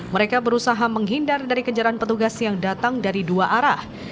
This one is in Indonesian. mereka berusaha menghindar dari kejaran petugas yang datang dari dua arah